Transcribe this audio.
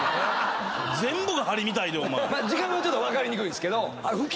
時間はちょっと分かりにくいんですけど。